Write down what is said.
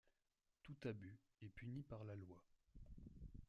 Tout abus est puni par la loi.